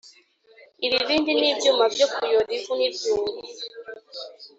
ibibindi n’ibyuma byo kuyora ivu n’ibyungu